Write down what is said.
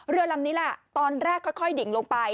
เรือลำนี้แหละตอนแรกค่อยดิ่งลงไป